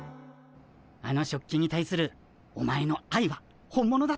あの食器に対するお前のあいは本物だった。